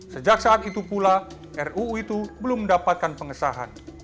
sejak saat itu pula ruu itu belum mendapatkan pengesahan